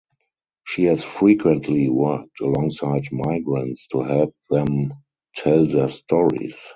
She has frequently worked alongside migrants to help them tell their stories.